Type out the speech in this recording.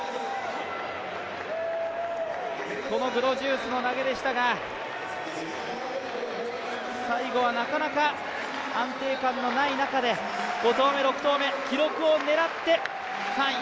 このグドジウスの投げでしたが最後はなかなか安定感のない中で５投目、６投目、記録を狙って３位。